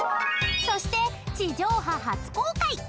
［そして地上波初公開］